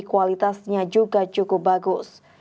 kualitasnya juga cukup bagus